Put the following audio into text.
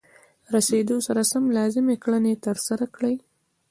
رسیدو سره سم لازمې کړنې ترسره کړئ.